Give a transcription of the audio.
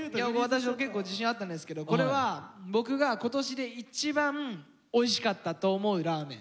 私は結構自信あったんですけどこれは僕が今年で一番おいしかったと思うラーメン。